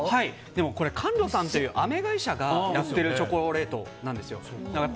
でも、カンロさんというあめ会社がやっているチョコレートなんですよ。